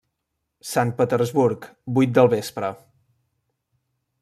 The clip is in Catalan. Sant Petersburg, vuit del vespre.